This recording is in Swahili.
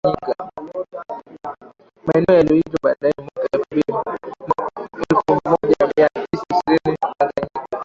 Maeneo yaliyoitwa baadaye mwaka elfu moja mia tisa ishirini Tanganyika